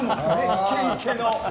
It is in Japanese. イケイケの。